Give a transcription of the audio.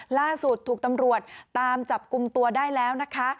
ล่าสุดถูกตำรวจตามจับกลุ่มตัวได้แล้วนะคะ